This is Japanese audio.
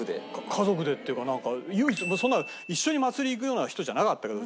家族でっていうか唯一そんな一緒に祭りに行くような人じゃなかったからうちのおやじは。